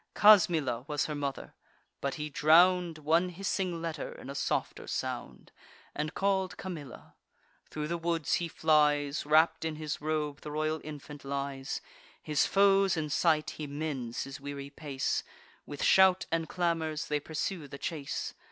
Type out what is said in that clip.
Casmilla was her mother; but he drown'd One hissing letter in a softer sound, And call'd Camilla. Thro' the woods he flies; Wrapp'd in his robe the royal infant lies. His foes in sight, he mends his weary pace; With shout and clamours they pursue the chase.